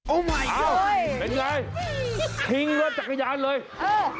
โอ้มายก๊อดอ้าวเป็นอย่างไรทิ้งรถจักรยานเลยเออ